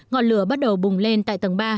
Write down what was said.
ngọn lửa bắt đầu bùng lên tại tầng ba